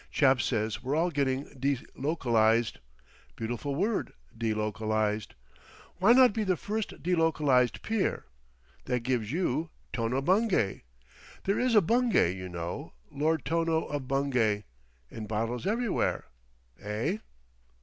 Chap says we're all getting delocalised. Beautiful word—delocalised! Why not be the first delocalised peer? That gives you—Tono Bungay! There is a Bungay, you know. Lord Tono of Bungay—in bottles everywhere. Eh?"